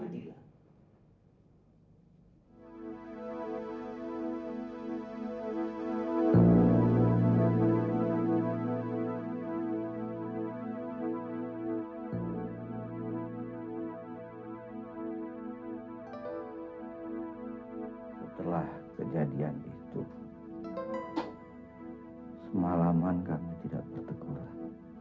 setelah kejadian itu semalaman kami tidak berteguran